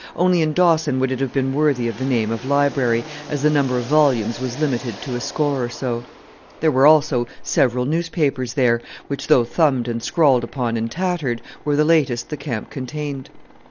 Only in Dawson would it have been worthy of the name of library, as the number of volumes was limited to a score or so. There were also several newspapers there, which, though thumbed and scrawled upon and tattered, were the latest the camp contained.